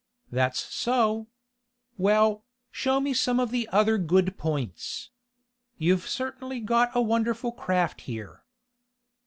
"That's so. Well, show me some of the other good points. You've certainly got a wonderful craft here."